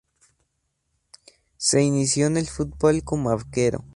Se inició en el fútbol como arquero.